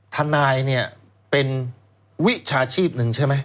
ทนายเนี่ยเป็นวิชาชีพหนึ่งใช่ไหม